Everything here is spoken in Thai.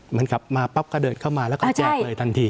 มันกลับมาปั๊บก็เดินเข้ามาแล้วก็แจกเลยทันที